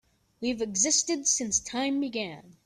We've existed since time began.